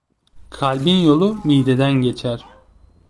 Kalbin yolu mideden geçer.